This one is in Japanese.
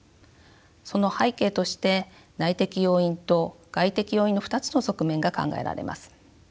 その背景として内的要因と外的要因の２つの側面が考えられます。